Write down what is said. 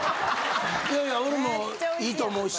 いやいや俺もいいと思うし。